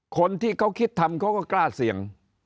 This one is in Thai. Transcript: คนที่เขาคิดทำเขาก็กล้าเสี่ยง